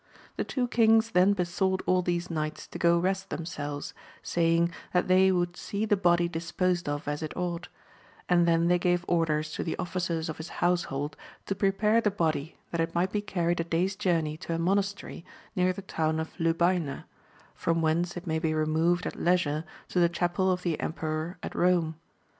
The two kings then be sought all these knights to go rest themselves, saying, that they would see the body disposed of as it ought ; and then they gave orders to the officers of his house hold to prepare the body that it might be carried a day's journey to a monastery near the town of Lu bayna, from whence it might be removed at leisure to the chapel of the emperor at Eome.